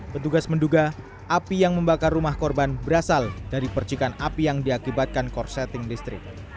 petugas menduga api yang membakar rumah korban berasal dari percikan api yang diakibatkan korseting listrik